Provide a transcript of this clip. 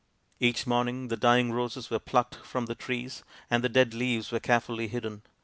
Each morning the dying roses were plucked from the trees and the dead leaves were carefully hidden.